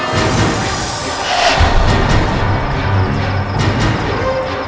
jangan bunuh saya